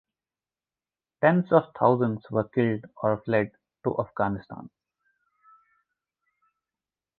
Tens of thousands were killed or fled to Afghanistan.